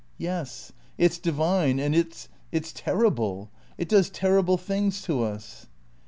"Yes. It's divine and it's it's terrible. It does terrible things to us."